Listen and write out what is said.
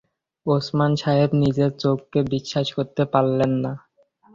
ওসমান সাহেব নিজের চোখকে বিশ্বাস করতে পারলেন না।